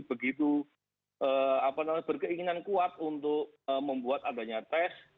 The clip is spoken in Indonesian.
begitu berkeinginan kuat untuk membuat adanya tes